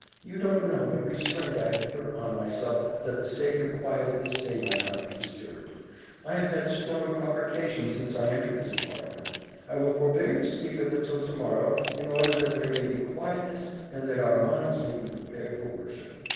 You don't know what restraint I have put upon myself that the sacred quiet of this day might not be disturbed. I have had strong provercation since I entered this apartment. I will forbear to speak of it till tomorrow in order that there may be quietness and that our minds may be prepared for worship.